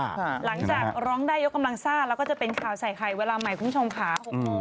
หลังจากร้องได้ยกกำลังซ่าแล้วก็จะเป็นข่าวใส่ไข่เวลาใหม่คุณผู้ชมค่ะ